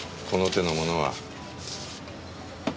この手のものは。